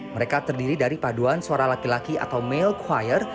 mereka terdiri dari paduan suara laki laki atau mail choir